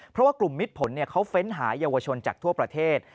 เพราะว่ากลุ่มมิดผลเขาเฟ้นหาเยาวชนจากทั่วประเทศ